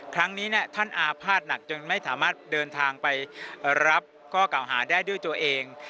ครั้งนี้ท่านอาภาษณ์หนักจนไม่สามารถเดินทางไปรับข้อเก่าหาได้ด้วยตัวเอง